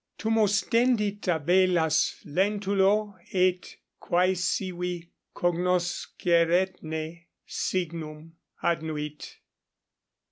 Tum ostendi tabellas Lentulo et quaesivi, cognosceretne signum. Adnuit.